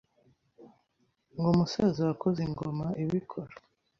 ngo musaza wakoze ingoma ibikora’